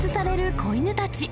子犬たち。